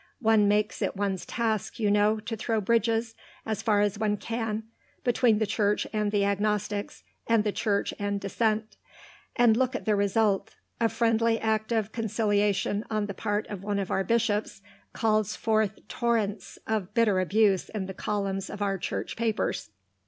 One makes it one's task, you know, to throw bridges, as far as one can, between the Church and the agnostics, and the Church and dissent. And look at the result. A friendly act of conciliation on the part of one of our bishops calls forth torrents of bitter abuse in the columns of our Church papers.